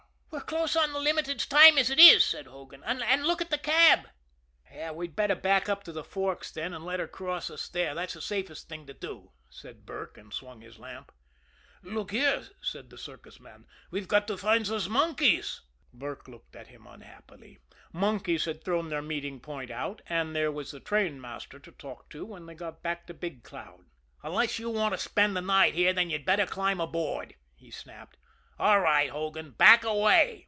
"We're close on the Limited's time as it is," said Hogan. "And look at that cab." "We'd better back up to the Forks, then, and let her cross us there, that's the safest thing to do," said Burke and swung his lamp. "Look here," said the circus man, "we've got to find those monkeys." Burke looked at him unhappily monkeys had thrown their meeting point out and there was the trainmaster to talk to when they got back to Big Cloud. "Unless you want to spend the night here you'd better climb aboard," he snapped. "All right, Hogan back away!"